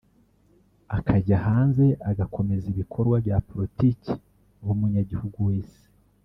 akajya hanze agakomeza ibikorwa bya politiki nk’umunyagihugu wese